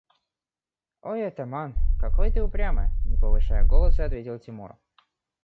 – Ой, атаман, какой ты упрямый, – не повышая голоса, ответил Тимур.